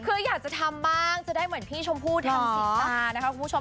คืออยากจะทำบ้างจะได้เหมือนพี่ชมพู่ทำสีตานะคะคุณผู้ชม